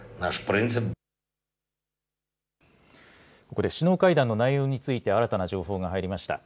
ここで首脳会談の内容について、新たな情報が入りました。